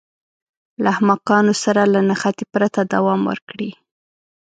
له احمقانو سره له نښتې پرته دوام ورکړي.